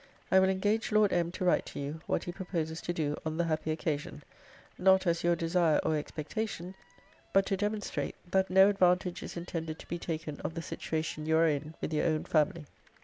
I will engage Lord M. to write to you, what he proposes to do on the happy occasion: not as your desire or expectation, but to demonstrate, that no advantage is intended to be taken of the situation you are in with your own family.